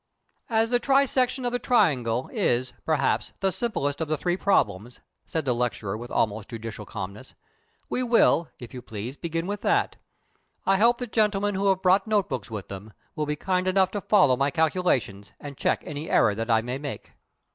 "As the trisection of the triangle is, perhaps, the simplest of the three problems," said the lecturer, with almost judicial calmness, "we will, if you please, begin with that. I hope that gentlemen who have brought note books with them will be kind enough to follow my calculations and check any error that I may make."